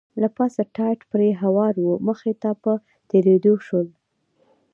له پاسه ټاټ پرې هوار و، مخې ته په تېرېدو شول.